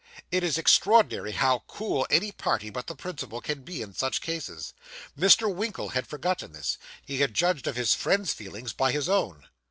It is extraordinary how cool any party but the principal can be in such cases. Mr. Winkle had forgotten this. He had judged of his friend's feelings by his own.